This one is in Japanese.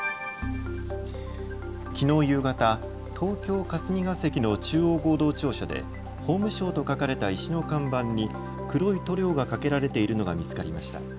きのう夕方、東京霞が関の中央合同庁舎で法務省と書かれた石の看板に黒い塗料がかけられているのが見つかりました。